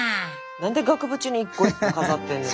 何で額縁に一個一個飾ってんねん。